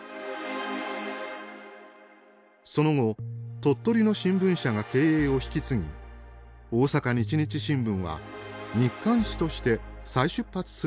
その後鳥取の新聞社が経営を引き継ぎ大阪日日新聞は日刊紙として再出発することになりました。